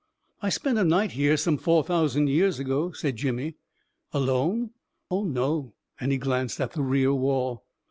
I spent a night here some four thousand years ago, 9 ' said Jimmy. "Alone?" " Oh, no," and he glanced at the rear wall.